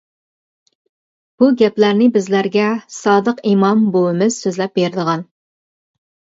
بۇ گەپلەرنى بىزلەرگە سادىق ئىمام بوۋىمىز سۆزلەپ بېرىدىغان.